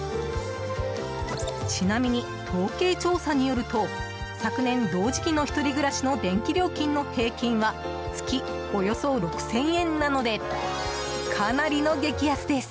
ちなみに、統計調査によると昨年、同時期の１人暮らしの電気料金の平均は月およそ６０００円なのでかなりの激安です。